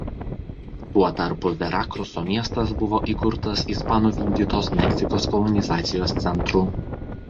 Tuo tarpu Verakruso miestas buvo įkurtas ispanų vykdytos Meksikos kolonizacijos centru.